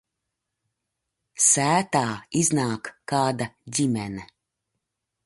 Sētā iznāk kāda ģimene.